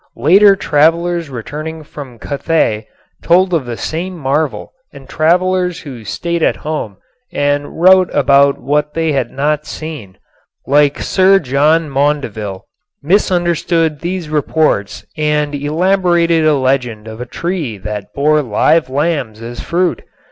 Later travelers returning from Cathay told of the same marvel and travelers who stayed at home and wrote about what they had not seen, like Sir John Maundeville, misunderstood these reports and elaborated a legend of a tree that bore live lambs as fruit.